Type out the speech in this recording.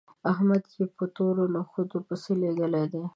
احمد يې په تورو نخودو پسې لېږلی دی